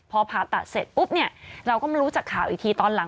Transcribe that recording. พอผ่าตัดเสร็จปุ๊บเนี่ยเราก็มารู้จากข่าวอีกทีตอนหลัง